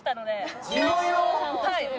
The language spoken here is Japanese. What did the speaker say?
はい。